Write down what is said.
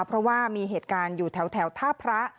เพราะว่ามีเหตุการณ์อยู่แถวท่าพระ